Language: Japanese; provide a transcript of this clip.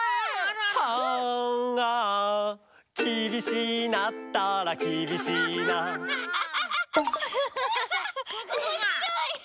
あんああきびしいなったらきびしいなおもしろい！